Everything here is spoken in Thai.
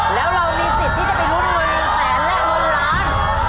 แล้วเรามีสิทธิ์ที่จะไปยุ่นมือลินแสนและน้อยล้าน